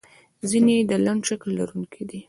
ځینې یې د لنډ شکل لرونکي دي.